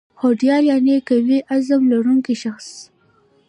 هوډیال یعني قوي عظم لرونکی شخص